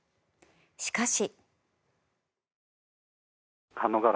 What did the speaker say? しかし。